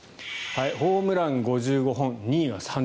ホームラン、５５本２位が３０本。